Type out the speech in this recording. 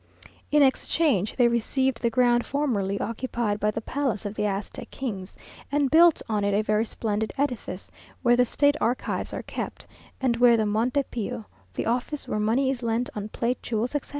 In exchange they received the ground formerly occupied by the palace of the Aztec kings, and built on it a very splendid edifice, where the state archives are kept, and where the Monte Pio (the office where money is lent on plate, jewels, etc.)